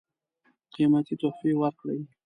قېمتي تحفې ورکړې.